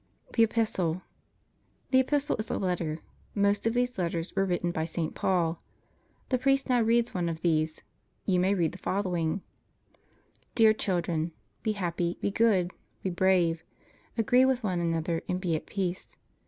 THE EPISTLE The Epistle is a letter. Most of these letters were written by Saint Paul. The priest now reads one of these. You may read the following: Dear children: Be happy, be good, be brave; agree with one another, and be at peace.